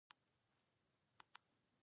شتمن خلک د الله بندهګان د خپل نعمت برخه بولي.